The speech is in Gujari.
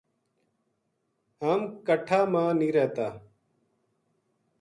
ہم کٹھا ما نیہہ رہتا